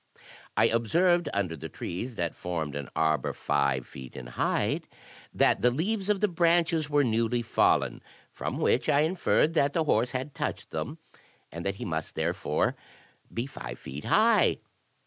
I observed under the trees that formed an arbor five feet in height, that the leaves of the branches were newly fallen; from whence I inferred that the horse had touched them, and that he must there fore be five feet high.